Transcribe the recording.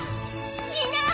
みんな！